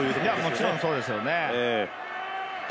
もちろんそうですよね。